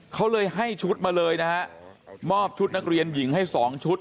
เขาเลยให้ชุดมาเลยนะฮะมอบชุดนักเรียนหญิงให้สองชุด